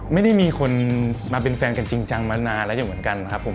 ไม่ได้มีคนมาเป็นแฟนกันจริงจังมานานแล้วอยู่เหมือนกันครับผม